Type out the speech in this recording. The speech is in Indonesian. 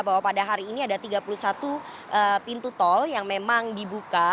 bahwa pada hari ini ada tiga puluh satu pintu tol yang memang dibuka